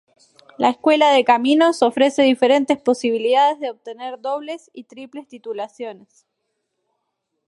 La Escuela de Caminos ofrece diferentes posibilidades de obtener dobles y triples titulaciones.